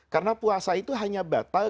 karena puasa itu hanya batal